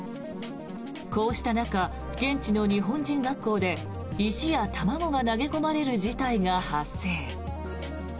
こうした中、現地の日本人学校で石や卵が投げ込まれる事態が発生。